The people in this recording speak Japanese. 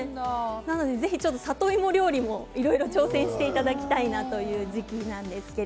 ぜひ里芋料理もいろいろ挑戦していただきたいなという時期なんです。